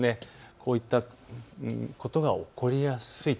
こういったことが起こりやすいと。